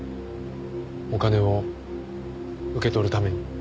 お金を受け取るために。